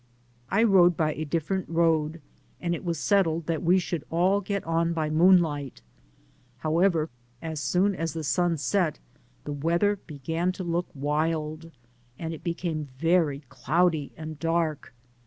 I rode by a difierent road, and it was settled that we should all get on by moonlight ; however, as soon as the sun set the weather began to look wild, and it became very cloudy and dark.